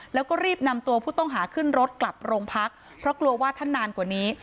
แล้วก็รีบนำตัวผู้ต้องหาขึ้นรถกลับโรงพักเพราะกลัวว่าท่านนานกว่านี้